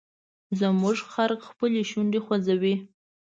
زموږ خر خپلې شونډې خوځوي.